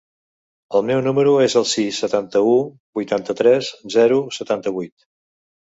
El meu número es el sis, setanta-u, vuitanta-tres, zero, setanta-vuit.